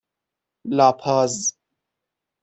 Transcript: لاپاز